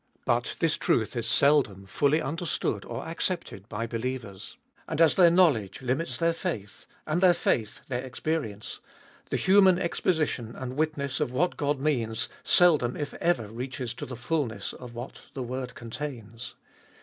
But this truth is seldom fully understood or accepted by believers. And as their knowledge limits their faith, and their faith their experience, the human exposition and witness of what God means seldom if ever reaches to the fulness of what the word contains.